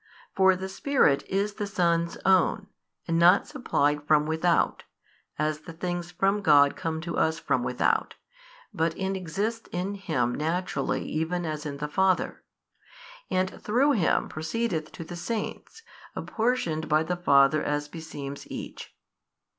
For the Spirit is the Son's Own, and not supplied from without, as the things from God come to us from without, but inexists in Him naturally even as in the Father, and through Him proceedeth to the saints, apportioned by the Father as beseems each.